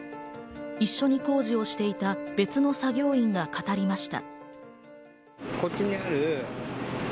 一緒に工事をしていた別の作業員が語りました。